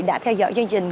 đã theo dõi chương trình